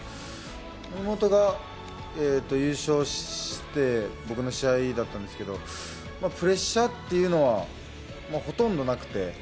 妹が優勝してから僕の試合だったんですけどプレッシャーというのはほとんどなくて。